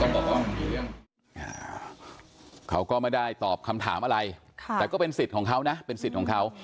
พี่เค้ามาได้ตอบคำถามอะไรแต่ก็เป็นสิทธิ์ของเค้านะเป็นสิทธิ์ของเค้า